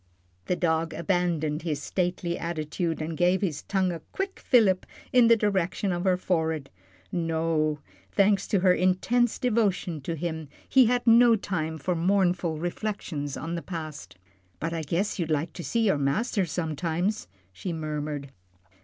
The dog abandoned his stately attitude, and gave his tongue a quick fillip in the direction of her forehead. No thanks to her intense devotion to him, he had no time for mournful reflections on the past. "But I guess you'd like to see your master sometimes," she murmured.